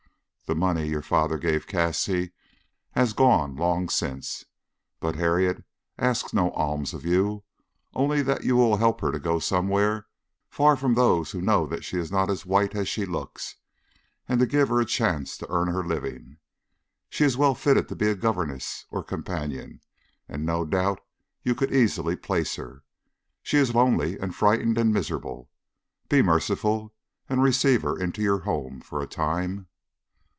The money your father gave Cassie has gone long since, but Harriet asks no alms of you, only that you will help her to go somewhere far from those who know that she is not as white as she looks, and to give her a chance to earn her living. She is well fitted to be a governess or companion, and no doubt you could easily place her. But she is lonely and frightened and miserable. Be merciful and receive her into your home for a time.